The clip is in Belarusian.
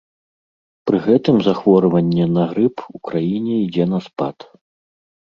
Пры гэтым захворванне на грып у краіне ідзе на спад.